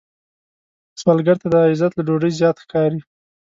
سوالګر ته عزت له ډوډۍ زیات ښکاري